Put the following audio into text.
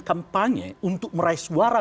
kampanye untuk meraih suara